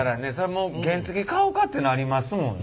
もう原付買おかってなりますもんね。